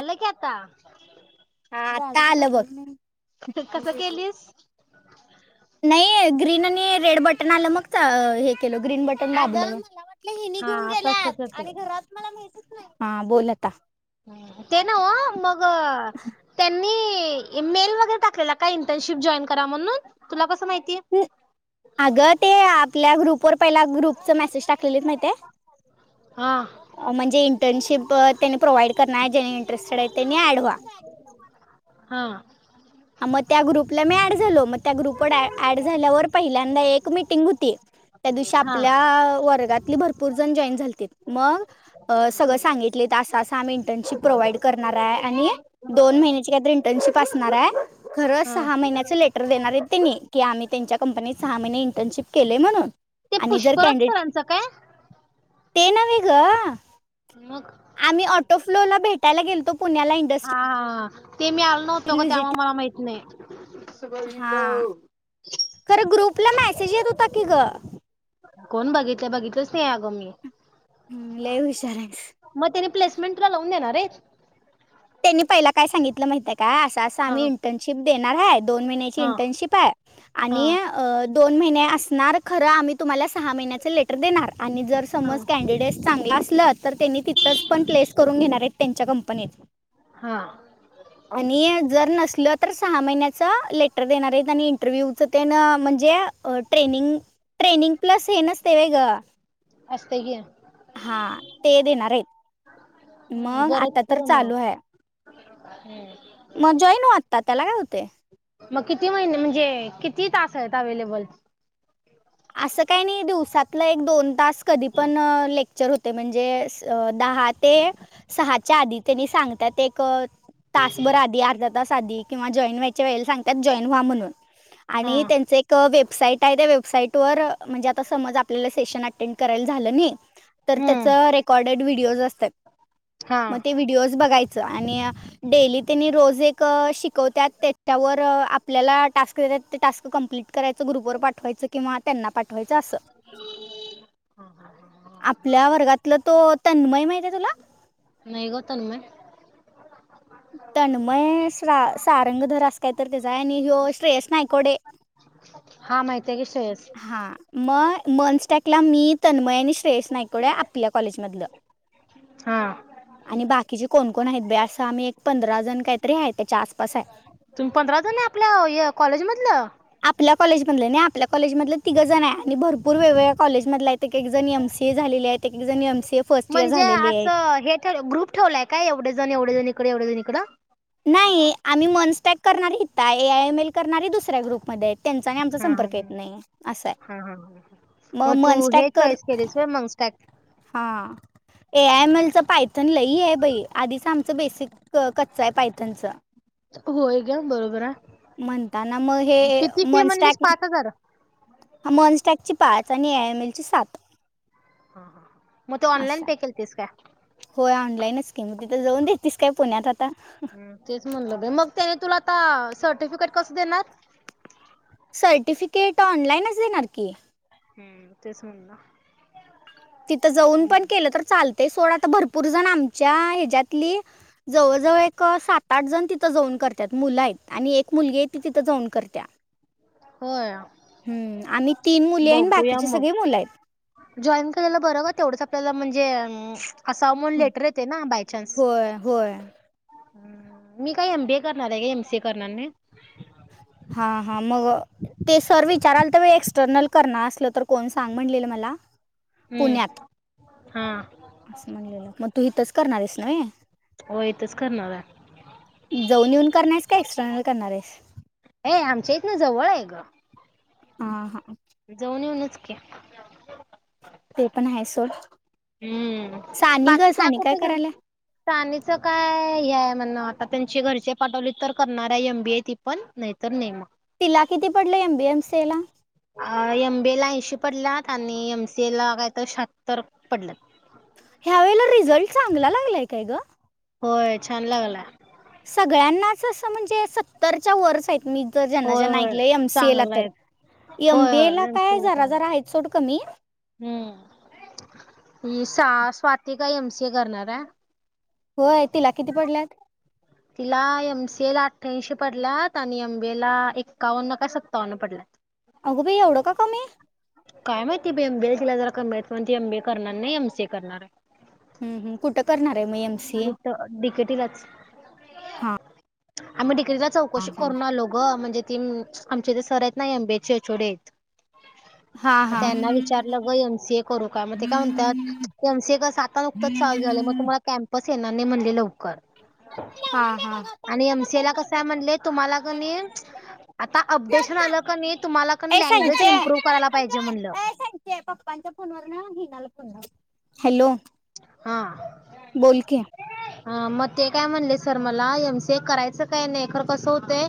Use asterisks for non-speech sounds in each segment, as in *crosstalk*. आलो क आता हा आता आलं बघ त कसं केलीस नाही ग्रीन आणि रेड बटन आलं मग हे केलं ग्रीन बटन दाबल वहिणी हा घेऊन तसच गेल्यात येतय. आणि घरात मला माहित च नाही ते नाव्ह मग त्यांना तुम्ही मेल वगेरे टाकाला होता का तुम्ही इंटरा शिप जॉईन करा म्हणून कसं माहितीय? अगं ते आपल्या ग्रुपवर पहिला ग्रुपच मेसेज टाकलेले माहितये हा म्हणजे इंटर्नशिप त्यानी प्रोव्हाइड करणार आहे जनी इंटरेस्टेड आहे त्यांनी ऍड व्हा हा मग त्या ग्रुपला मी ऍड झालो मग त्या ग्रुप ऍड झाल्यावर पहिल्यांदा एक मिटिंग होती त्या दिवशी हा आपल्या वर्गातली भरपूर जण जॉईन झालेते मग सगळं सांगितले असा असा आम्ही इंटर्नशिप प्रोव्हाइड करणार आहे आणि दोन महिन्याची काहीतरी इंटर्नशिप असणार आहे खरंच हा सहा महिन्याच लेटर देणार आहेत त्यांनी की आम्ही त्यांच्या कंपनीत सहा महिने इंटर्नशिप केले म्हणून ते पुष्पराज सराच काय तेन्हे मग अगआम्ही ऑटो फ्लो ला भेटायला गेलतो पुण्याला इंडस्ट्री ये मी ओलो नव्हतो ग तेव्हा मला माहत नाही हा खरं ग्रुपला मेसेज येत होता की ग कोण बघितलं बघितलंच नाही अगं मी हम्म लय हुशार आहेस. मग ने रप्लेसमेंटला च लावून देणार रे त्यांनी पहिला काय सांगितलं माहित का असं असं हा आम्ही इंटर्नशिप देणार आहे दोन महिन्याची हा इंटर्नशिप हा आणि दोन महिने असणार खर आम्ही तुम्हाला सहा महिन्याच लेटर देणार आणि जर हा समज कॅन्डिडेट चांगला असल तर त्यांनी तिथंच पण प्लेस करून घेणार आहेत त्यांच्या कंपनीत हा आणि जर नसल तर सहा महिन्याच लेटर देणार इंटरव्ह्यूच ते न म्हणजे ट्रेनिंग ट्रेनिंग प्लस हे नस त्य व वहयग असतय की हा ते देणार आहेत ह मग आता तर बरतझम चालू आहे हम् मग जॉयन हो आत्ता त्याला काय होते य मग किती महिने म्हणजे किती तास आहेत अवेलेबल असं काही नाही दिवसातलं एक दोन तास कधी पण लेक्चर होते म्हणजे स दहात ते सहाच्या आधी त्यांनी सांगतात एक तासभर आधी अर्धात अर्धा तास आधी जॉईन व्हायला सांगतात जॉ ईन न्हावा म्हनून हा आणि त्यांचं एक वेब साईट आहे त्या वेबसाईट वर म्हणजे आता समज आपल्याला सेशन अटेंड करायला झालं नाही तर त्याच हम्म रेकॉर्डेड व्हिडिओज असतात हा मग ते व्हिडिओज बघाय आणि डेली त्यांनी रोज एक शिकवव्यात त्याच्यावर आपल्याला टास्क देतात ते टास् कम्प्लीट करायचं ग्रुपवर पाठवायचं किंवा त्यांना पाठव *unintelligible* आपल्या वर्गातलं तो तन्मय माहित आहे तुला नाही ग तन्मय तन्मय सा सारंगधरस काय तर त्याचा आहे आणि होय श्रेयस नायकोडे *unintelligible* माहिती आहे की श्रेयस हा म मनस्टॅकला मी तन्मय आणि श्रेयस नायकोड आपल्या कॉलेजमधलं हा. आणि बाकीचे कोण कोण आहेत बे असं आम्ही एक पंधरा जण काहीतरी आहे त्याच्या आसपास आहे. तुम्ही पंधरा जण आहे आपल्या कॉलेज मधलं आपल्या कॉलेजमधले नाही आपल्या कॉलेजमधलं तिघं जण आहे आणि भरूर वेगवेगळ्या कॉलेमधल आहेत एक जण एम सीए झालेले आहेत एक जण एमसीए फर्स्ट इयर म्हणजे झालेले आहेत. असं हे ठेव ग्रुप ठेवलाय काय एवढे जण एवढे जणी इकड एवढे इकड नाही आम्ही मैंनस्टॅक करणार हीता ए आय एम एल करणारी दुसऱ्या ग्रुपमध्ये आहेत त्यांचा आमचा हा हा संपर्क हा येत नाही असा हा हा हा मग तू मॉन्स्टा हे टाईप कर चॉईस केलीस होय मग स्टॅक हा. ए आय एम एल चं पायथन लही आहे बाई आधीच आमचं बेसिक कच्च आहे पायथनच होय ग्या बरोबर. म्हणताना मग हे किती फी म्हणलीस मनस्टॅक पाच हजार मनस्टॅकची पाच पाच आणि यहमेल चे सात मग ते ऑनलाईन असा पे केलतीस काय हो ऑनलाईनच स्कीम जाऊन देतेस काय पुण्यात आता. ह तेच म्हणलं मग त्याने तुला आता सर्टिफिकेट कस देणार? सर्टिफिकेट ऑनलाईनच देणार की हम्म तेस म्हंल. तिथं जाऊन पण केलं तर चालतय सोडा तर भरपूर जण आमच्या ह्याच्यातली जवळजवळ एक सात आठ जण तिथं जऊन करतात मुलं आहेत आणि एक मुलगी आहे ती तिथं जाऊन करत्या. होय. हम्म आणि तीन मुली आहे बघूया बाकीची मग. सगळी मुलं आहेत. जॉईन केरायला बरं का तेवढंच आपल्याला म्हणजे ह असा अमोल लेटर येते ना बायचान्स होय होय मी काय एम बी ए करणार आहे का एम सी ए करणार नाही. हा हा मग ते सर विचाराल तर वेळ एक्सटर्नल करणार असलं तर कोण सांग म्हणटलेलं मला पुण्यात हम्म हा. असं म्हणलेलं मग तू इथच करणा रेस ना होय. हो इथंच करणार आहे जाऊन येऊन करणार का एक्सटर्नल करणार आहेस. हे आमच्या इथन जवळ हे ग हा हा. जाऊन येऊनच कि ते पण आहे सोड. हम्म सानी बाकी ग त्या सानी कुट काय करायला *unintelligible* सानीच काय ह्य हाय म्हण आता त्यांचे घरचे पाठवलीत, तर करणाराय एमबीए ती पण नाहीतर नाही मग. तिला किती पडलं एमबी एमसी ला? एम *unintelligible* पडल्यात आणि एमसीए ला कायतर शहात्तर पडल्यात. या वेळेला रिझल्ट चांगला लागलाय काय ग? होय छान लागलाय. सगळ्यांनाच असं म्हणजे सत्तरच्या वरचं ह. मी ज ज्यांना होय ज्यांना होय ऐकलंय एमसीए ला चांगला तर आहे होय एमबीए ला होय एम सी काय ए जरा चांगला जरा आहे. हाईत सोड कमी हम्म ही सा स्वाती काय एमसीए करणाराय. होय तिला किती पडल्यात? तिला एमसीए ला अठ्ठयाऐंशी पडल्यात आणि एमबीए ला एक्कावन्न का सत्तावन्न पडल्यात. अगं बाई एवढं का कमी काय माहिती बाई एमबीए ला तिला जरा कमी म्हणून ती एमबीए करणार नाही, एमसीए करणाराय. हम्म हम्म. कुठं करणार? आहे मग एम सी ए कुठ डीकेटी लाच हा आम्ही डिक ती जरा चौकशी करुन अलो गं म्हणजे, ती न आमच्या इथे सर हाईत ना एमबीए चे एचओडी हाईत हा *unintelligible* म हा त्यांना विचारलं ग एमसीए करू का म ते काय म्हणतात, एमसीए कसं आता नुकतच चालू झालंय. म तुम्हाला कॅम्पस येणार नाही म्हणले लवकर. हा हा आणि एमसीएला कसय म्हणले तुम्हाला कणी आता अपडेशन आलं कणी तुम्हाला कणी ए लँग्वेज संजय इम्प्रुव्ह करायला पाहिजे म्हणलं. हॅलो बोल की. हा म ते काय म्हणले सर मला एमसीए करायचं काय नाही, खर कसं हुतय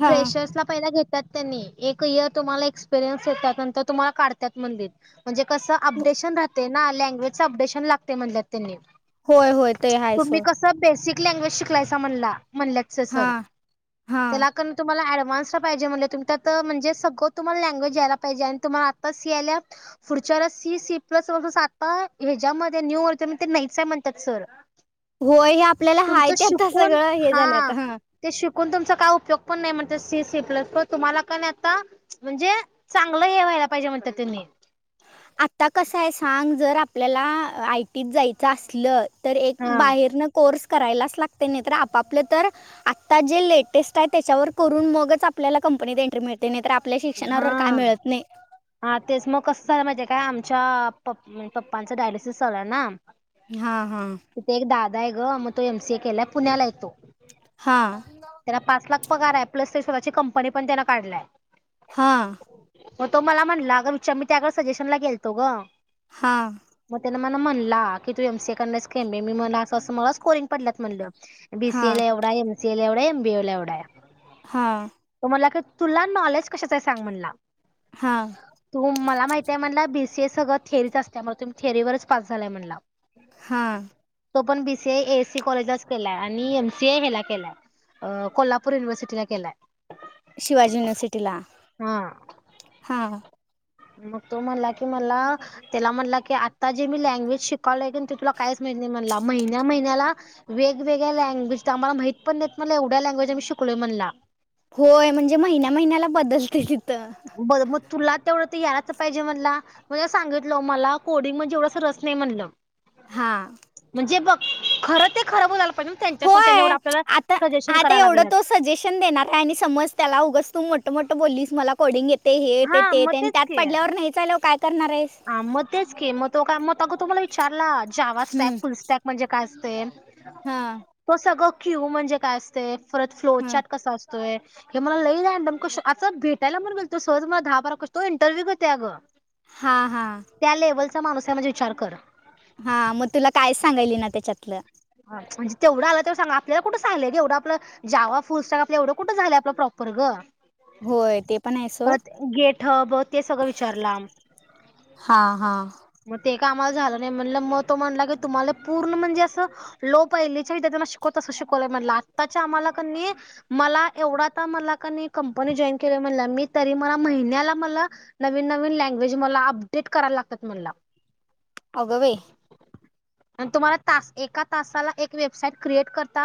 हा फ्रेशर्स ला पहिले घेत त्यात तेनी एक ईअर तुम्हाला एक्सपिरीयन्स येतात, नंतर तुम्हाला काढत्यात म्हणलीत म्हणजे कसं अपडे शन राहतय ना लँग्वेजच अपडेशन लागतय म्हणल्यात तेणी. होय होय ते हाय तुम्ही सोड कस बेसिक लँग्वेज शिकलायस *unintelligible* म्हणला म्हणल्यात से हा सर हा तेला कणे तुम्हाला ऍड *unintelligible* पाहिजे म्हणले तुम्ही त्यात म्हणजे, सगळ तुम्हाला लँग्वेज यायला पाहिजे आणि तुम्हाला आत्ता सी आल्या फुढ चर सी, सी प्लस प्लस आता हेज्यामध्ये न्यू वर्जन म ते नाहीचाय म्हणत्यात सर. होय हे आपल्याला हाय तुमचं ते आता शिकून सगळं हे हा झालं आता हा ते शिक कुण तुमचा काय उपयोग पण नाही म्हणत्यात, सी सी प्लस प तुम्हाला कन आता म्हणजे चांगलं ह्य *unintelligible* पाहिजे म्हणत्यात तेंनी ल्याला आयटी त जायचं असलं, तर एक हा बाहेरनं कोर्स करायलाच लागतय नाहीतर आपापले तर आत्ता जे लेटेस्ट आहे, त्याच्यावर करून मगच आपल्याला कम पनीत एन्ट्री मिळते नाही तर आप हा हा तेच मग कसं झालं माहितीये क काय आमच्या प पप्पांचं डायलिसिस चालुय ना हा हा. नाही ग म तो एमसीए केला, पुण्यालाय तो हा त्याला पाच लाख पगार आहे, प्लस ते स्वतःची कंपनी पण त्यान काढलाय. हा. म तो मला म्हणला, अग विचार मी त्याकड सजेशन ला गेलतो ग. हा. मग त्यानं मला म्हणला की तू एमसीए करणाराईस काय नाई? मी मनल असं असं मला स्कोरिंग पडल्यात म्हटलं हा बीसीए ला एवढंय, एमसीएला एवढंय, एमबीए ला एवढंय. तो म्हणला, क तुला नॉलेज कशाचय सांग म्हणला. हा तू मला माहित आहे, म्हणला बीसीए सगळं थेरीच असत्या म तुम्ही थेरीवरच पास झालाय म्हणला. हा. सी एससी कॉलेजच केलाय आणि एमसीए हेला केलाय अ कोल्हापूर युनिव्हर्सिटीला केलाय शिवाजी युनिव्हर्सिटीला हा हा मग तो म्हणला की मला त्याला म्हणला की आता जे मी लँग्वेज शिकाल आहे ते तुला कायच माहिती महिन्या महिन्याला वेगवेगळ्या लँग्वेज आम्हाला माहित पण नाही एवढ्या लैंग्वेज शिकवल्या म्हणला होय म्हणजे महिन्या महिन्याला बदलते तिथं *inaudible* तुला तेवढं तर यायला पाहिजे म्हणला म्हणजे सांगितलं मला कोडिंग म्हणजे एवढ रस नाही म्हणलं हा म्हणजे बघ खरं ते खर बोलायला पाहिजे पाहिजे त्यांच्यासमोर त्यांनी होय एवढा आता आता एवढं तो सजेशन देणार आहे आणि समज त्याला उगस तू मोठ मोठं बोललीस मला कोडिंग येते हे हे हा ते नाहीच आल्यावर काय करणार आहेस ह मग तेच के मग तो का मग अगं तुम्हाला विचारला जावा हम्म स्ट्रॅक फुल स्टॅक म्हणजे काय हा तो सगळं क्यू म्हणजे काय असते परत फ्लो हा चॅट कसा असतोय हे मला लई जाड क आता भेटायला मण गेल तो सहज मला दहा बारा कस तो इंटरव्ह्यू घेते अ गं हा हा माणूस म्हणजे विचार करा हा मग तुला कायच सांगायल ना त्याच्यातलं ह म्हणे तेवढं आला तेव्हा सांग आपलाुठं झालं एवढं आपलं जावा फुल स्टाक आपला एवढं कुठं झालं आपलं प्रॉपर र ग होय ते पण आहे सोड परत गेट हब ते सगळं विचारलं हा हा मला झालं नाही म्हणलं मग तो म्हणला की तुम्हाला पूर्ण म्हणजे असं लो पहिलीच्या विद्यार्थ्यांना शिकवत तसं शिकवलाय म्हंटला आत्ताच्या आम्हाला कनी मला एवढा आता मला कनी कंपनी जॉईन केलंय म्हणाला मी तरी मला महिन्याला मला नवीन नवीन लँग्वेज मला अपडे ट करायला लागतात म्हणाला. अगं बाई आणि तुम्हाला तास एका तासाला एक वेबसाईट क्रिएट करता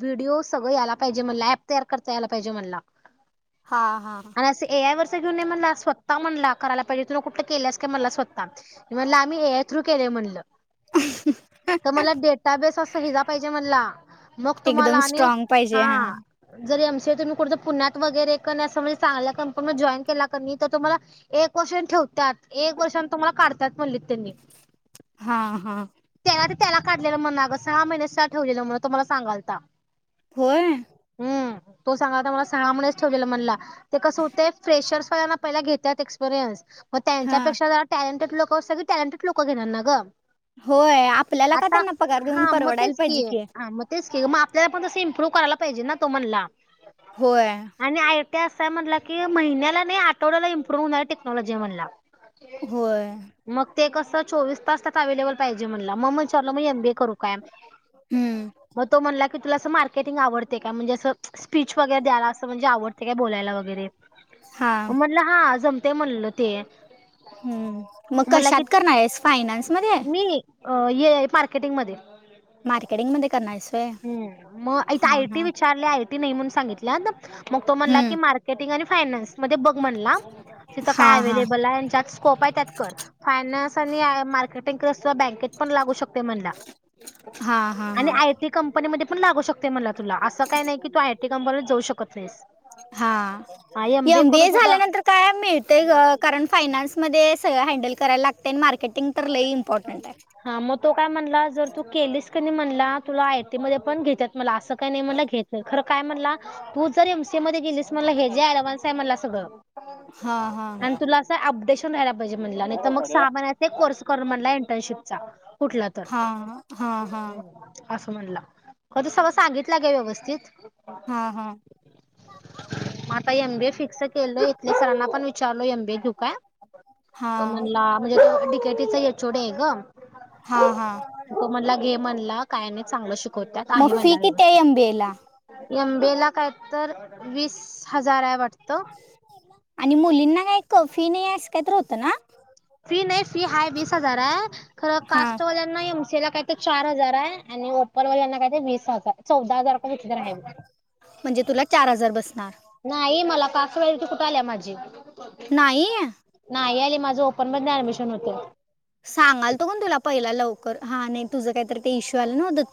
व्हिडिओ सगळ यायला पाहिजे म्हणला ऍप तयार करता यायला पाहिजे म्हणला. *inaudible* हां हां आणि असं ए आय वरच घेऊन ये म्हणला स्वतः म्हणला करायला पाहिजे तुन कुठलं केल्यास काय म्हणला स्वतः म्हणलं आम्ही ए आय थ्रू केले म्हटलं. तर मला डेट बेस अस हेजा पाहिजे म्हणला मग तुम्हाला एकदम आणि स्ट्रॉंग पाहिजे हा हां जरी आम चे पुण्यात वैगेरे कनी अस म्हणजे चांगल्या कंपनी मध्ये जॉईन केला कनी तर तुम्हाला एक क्वेस्टियन ठेव त्यात एक वर्षानं तुम्हाला काढत्यात म्हणलीत त्यांनी. हां हां आता त्याला काढलेलं म्हण अगं सहा महिने नुस्ता ठेवलेलं म्हण तो मला सांगालता. होय हम्म तो सांगालता मला सहा महिनेच ठेवलेल म्हणला ते कसं होतंय फ्रेशर्स वाल्यांना पहिला घेतात एक्सपिरियन्स मग हा त्यांच्यापेक्षा जरा टॅलेंटेड लोक सगळी टॅलेंटेड लोक घेणार ना गं? होय आपल्याला काय आता त्यांना पगार हा देऊन मग परवडायला तेच पाहिजे की कि. हा मग तेच की ग मग आपल्याला पण तसं इम्प्रूव करायला पाहिजे ना तो म्हणला. होय. ते असं आहे म्हटलं की महिन्याला नाही आठवड्याला इम्प्रुव्ह होणार टेक्नॉलॉजी आहे म्हणला. होय मग ते कस चोवीस तास त्यात अवलबले पाहिजे म्हणला मग विचारलो एमबीए करू काय हम्म मग तो म्हणला की तुला असं मार्केटिंग आवडते काय? म्हणजे अस स्पीच वगैरे द्यायला असं म्हणजे आवडते काय बोलायला वगैरे हा म्हटलं हां जम तय म्हणल ते. हम्म मग म्हणला की कशात करणार आहेस फायनान्स मध्ये? मी ये मार्केटिंग मध्ये मार्केटिंग मध्ये करणार आहेस होय हम्म मग इथं हा आयटी हा विचारले आयटी नाही म्हणून सांगीतल्यात मग तो म्हणला हम्म की मार्केटिंग आणि फायनान्स मध्ये बघ म्हणला. तिथं हा काय हा अव्हेलेबल आहे ज्यात स्कोप आहे त्यात कर फायनान्स आणि मार्केट टिंग क्रस्टला बँकेत पण लागू शकतंय म्हणाला हा हा आणि हा आयटी कंपनीमध्ये पण लागू शकतंय म्हणाला तुला असं काही नाही की तू आयटी कंपनीत जाऊ शकत नाहीस. हां हा करून एमबीए सुद्धा झाल्यानंतर काय मिळतंय ग कारण फायनान्समध्ये स सगळं हान्डेल करायला लागतंय आणि मार हां मग तो काय म्हणला जर तू केलीस क नाही म्हणाला तुला आयटी मध्ये पण घेत्यात म्हणाला असं काही नाही म्हणला घेत खरं काय म्हणला तू जर एमसी ये मधे गेलीस म्हणाला हे जे अँडव्हान्स हाय म्हणाला सगळ हा हा आणि तुला अस अपडेशन राहायला लाग पाहिजे म्हणाला नाही तर मग सहा महिन्यात कोर्स कर म्हणाला इंटनशिपचा कुठला तर हा हा हा असं म्हणला खर तो सगळं सांगितलं ग व्यवस्थित. हा हा म आता एमबीए च. फिक्स केल इथल्या सरांना पण विचारलो एमबीए घेऊ काय तो हा म्हणाला म्हणजे तो डिकेटीचा एचओडी आहे ग हां हां म्हणाला काय नाही चांगला शिक म फी किती हाय एमबीए ला एमबीए ला काय तर वीस हजार आहे वाट आणि मुलींना काही क फी नाही असं काहीतर होतं ना? फी नाही फी हा वीस हजार आहे खरं हा कास्टवाल्यांना काय ते चार हजार आहे आणि ओपर वल्याना काय ते वीस हजार आहे चौदा हजारपती तर आहे म म्हणजे तुला चार हजार बसणार नाही मला पाचवथ कुठे आल्या माझी नाही नाही आली माझं ओपन मध्ये ऍडमिशन होते सांगाल तो का तुला पहिला लवकर हा नाही तुझ काहीतरी इ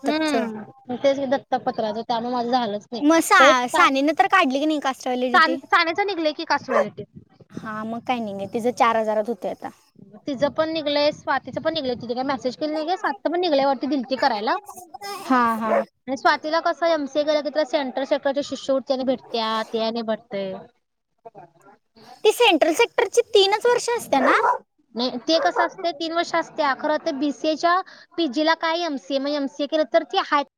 हम्म तेच दत्तपत्राचं त्यान झालंच मग नाही सा सानेनं तर काढली की नाही कास्ट व्हॅलिडिटी तरण्याच निघलंय की कासवलाथे हा मग काय नाहीे तिझं चार हजारात होत तिचं पण निघलंय स्वातीचं पण निघलं तिथे काय मेसेज केली नाही काे सात पण निघल्यावरती दिलती करायला हा हा स्वातीला कसम के कींटर शेखडच्या शिष्यवतीने भेटत्या त्याने भेटते ते सेट्रल नाही ते कस असते तीन वर्ष असते त्या खर तर बीसीएच्या पीजीला काय एमसीए म्हणजे एमसीए केलं तर ती